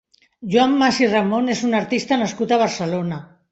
Joan Mas i Ramon és un artista nascut a Barcelona.